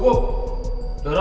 pfarogen maleh jadi miskin